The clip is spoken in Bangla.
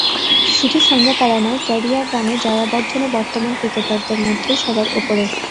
শুধু সাঙ্গাকারা নয়, ক্যারিয়ার রানে জয়াবর্ধনে বর্তমান ক্রিকেটারদের মধ্যেই সবার ওপরে।